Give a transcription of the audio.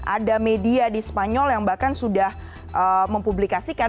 ada media di spanyol yang bahkan sudah mempublikasikan